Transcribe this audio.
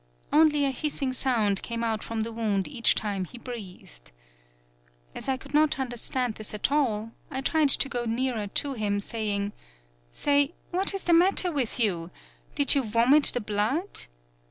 Only a hissing sound came out from the wound each time he breathed. As I could not understand this at all, I tried to go nearer to him, saying: 'Say, what is the matter with you? Did you vomit the blood?'